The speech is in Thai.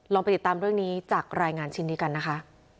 ไปติดตามเรื่องนี้จากรายงานชิ้นนี้กันนะคะ